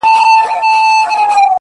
خو كله ‘ كله مي بيا’